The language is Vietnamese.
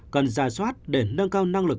cần gia soát để nâng cao năng lực